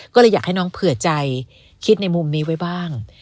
ก็เลยอยากให้น้องเผื่อใจคิดในมุมนี้ไว้บ้าง